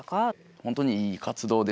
本当にいい活動ですし